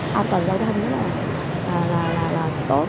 học và giao thân rất là tốt